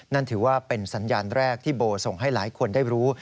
นั่นถือว่าเป็นสัญญาณแรกที่โบส่งให้หลายคนได้รู้